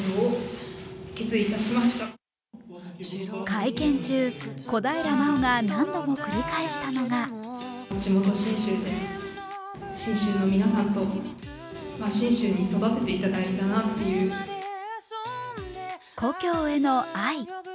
会見中、小平奈緒が何度も繰り返したのが故郷への愛。